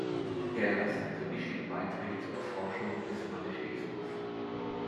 Er leistete wichtige Beiträge zur Erforschung des Manichäismus.